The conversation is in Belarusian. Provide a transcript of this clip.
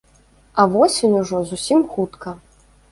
А восень ужо зусім хутка.